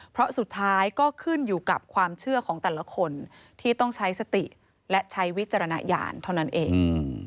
เพราะสุดท้ายก็ขึ้นอยู่กับความเชื่อของแต่ละคนที่ต้องใช้สติและใช้วิจารณญาณเท่านั้นเอง